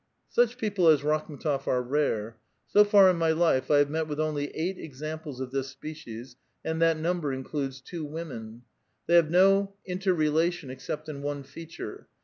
Such people as Rakhm6tof are rare. So far in my life I have met with only eight examples of this species (and that number includes two women). They have no inter relation, except in one feature.